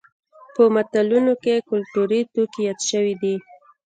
په متلونو کې کولتوري توکي یاد شوي دي